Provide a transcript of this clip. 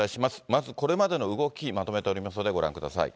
まずこれまでの動き、まとめておりますのでご覧ください。